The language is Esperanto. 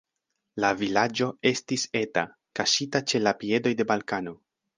La vilaĝo estis eta, kaŝita ĉe la piedoj de Balkano.